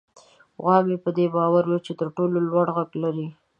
غوا په دې باور وه چې تر ټولو لوړ غږ لري.